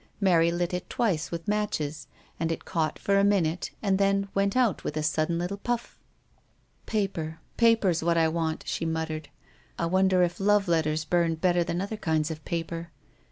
Mary lit it twice with matches, and it caught for a minute, and then went out with a sudden little puff. " Paper— paper is what I want," she mut tered. " I wonder if love letters burn more ardently than other kinds of paper